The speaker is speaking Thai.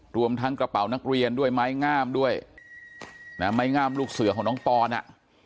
รวมทั้งกระเป๋านักเรียนด้วยไม้งามด้วยนะไม้งามลูกเสือของน้องปอนอ่ะ